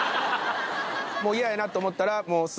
もう嫌やなって思ったらすぐ。